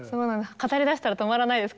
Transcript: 語りだしたら止まらないです